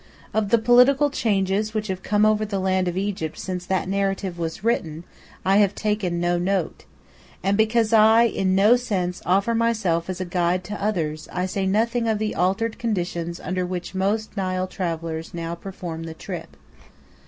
Of the political changes which have come over the land of Egypt since that narrative was written, I have taken no note; and because I in no sense offer myself as a guide to others, I say nothing of the altered conditions under which most Nile travellers now perform the trip.